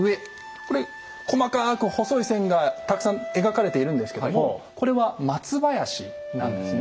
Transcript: これ細かく細い線がたくさん描かれているんですけどもこれは松林なんですね。